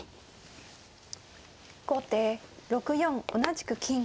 後手６四同じく金。